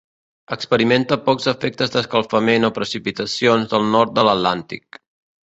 Experimenta pocs efectes d'escalfament o precipitacions del nord de l'Atlàntic.